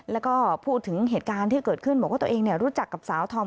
แล้วก็พูดถึงเหตุการณ์ที่เกิดขึ้นบอกว่าตัวเองรู้จักกับสาวธอม